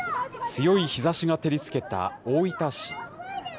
強い日ざしが照りつけた大分市。